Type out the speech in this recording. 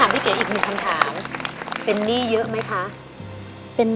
พี่เก๋อีกหนึ่งคำถามเป็นหนี้เยอะไหมคะ